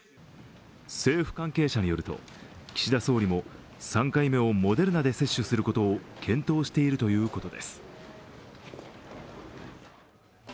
政府関係者によると、岸田総理も３回目をモデルナで接種することを検討しているということです。